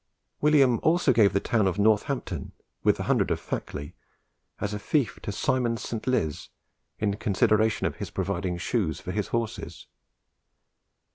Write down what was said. William also gave the town of Northampton, with the hundred of Fackley, as a fief to Simon St. Liz, in consideration of his providing shoes for his horses.